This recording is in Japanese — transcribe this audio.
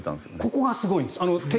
ここがすごいんです。